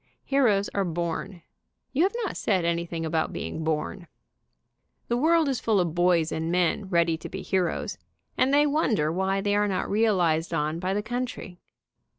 Heroes are born. You have not said anything about being born. The world is full of boys and men ready to be heroes, and they wonder why they are not realized on by the country.